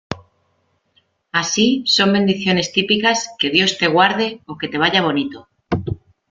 Así, son bendiciones típicas "Que Dios te guarde" o "Que te vaya bonito".